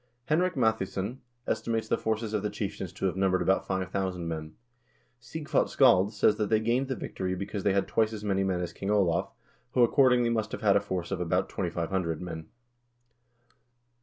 Henrik Mathiesen * estimates the forces of the chieftains to have numbered about 5000 men. Sighvat Scald says that they gained the victory because they had twice as many men as King Olav, who, accordingly, must have had a force of about 2500 men.